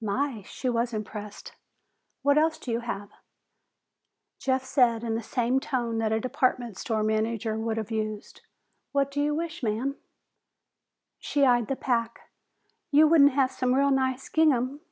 "My," she was impressed. "What else do you have?" Jeff said, in the same tone that a department store manager would have used, "What do you wish, ma'am?" She eyed the pack. "You wouldn't have some real nice gingham?"